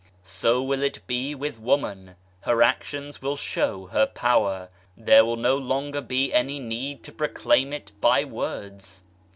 So will it be with woman ; her actions will show her power, there will no longer be any need to proclaim it by words.